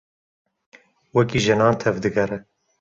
Wekî jinan tev digere.